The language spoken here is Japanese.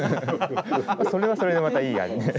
それはそれでまたいい案で。